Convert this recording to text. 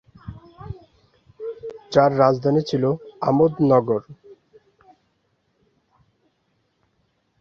যার রাজধানী ছিল আমোদ নগর।